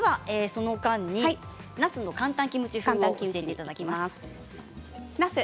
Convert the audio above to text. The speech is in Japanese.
その間に、なすの簡単キムチ風を作っていただきます。